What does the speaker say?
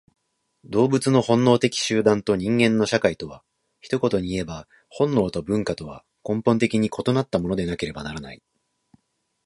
動物の本能的集団と人間の社会とは、一言にいえば本能と文化とは根本的に異なったものでなければならない。